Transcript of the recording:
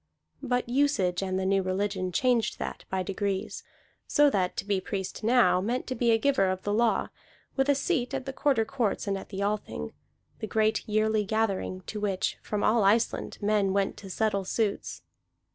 But usage and the new religion changed that by degrees; so that to be priest now meant to be a giver of the law, with a seat at the Quarter Courts and at the Althing, the great yearly gathering to which from all Iceland men went to settle suits.